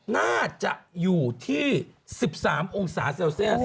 น่าจะอยู่ที่๑๓องศาเซลเซียส